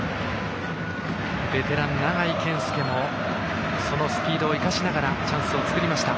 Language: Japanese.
ベテラン、永井謙佑もそのスピードを生かしながらチャンスを作りました。